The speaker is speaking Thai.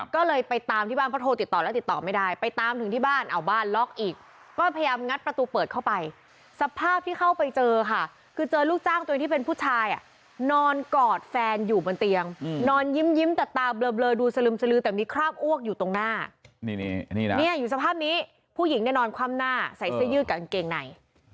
ก็เลยไปตามที่บ้านเพราะโทรติดต่อแล้วติดต่อไม่ได้ไปตามถึงที่บ้านเอาบ้านล็อกอีกก็พยายามงัดประตูเปิดเข้าไปสภาพที่เข้าไปเจอค่ะคือเจอลูกจ้างตัวเองที่เป็นผู้ชายนอนกอดแฟนอยู่บนเตียงนอนยิ้มแต่ตาเบลอดูสลึมสลือแต่มีคราบอ้วกอยู่ตรงหน้าเนี่ยอยู่สภาพนี้ผู้หญิงเนี่ยนอนคว่ำหน้าใส่เสื้อยืดกับกางเกงใน